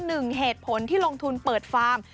หนึ่งเหตุผลที่ลงทุนเปิดฟาร์ม